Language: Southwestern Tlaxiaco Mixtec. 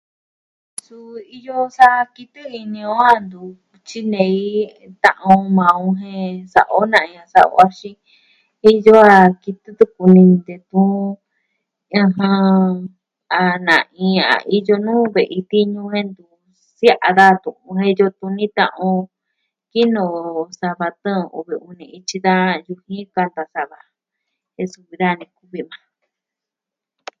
Suu iyo sa kitɨ ini o a ntu tyinei ta'an o maa o jen sa'a o na iin a sa'a o axin Iyo a kitɨ tuku ini on detun a na iin a iyo nuu ve'i tiñu jen ntu sia'a daja tu'un iyo tuni ta'an on. Kinoo sava tɨɨn uvi uni ityi da yujin kanta sava jen suvi daja ni kuvi majan.